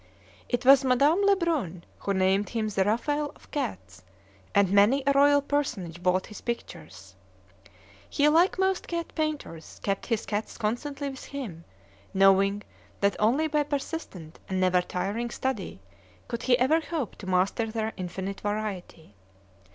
It was Madame Lebrun who named him the "Raphael of Cats," and many a royal personage bought his pictures. He, like most cat painters, kept his cats constantly with him, knowing that only by persistent and never tiring study could he ever hope to master their infinite variety.